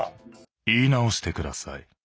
言い直して下さい。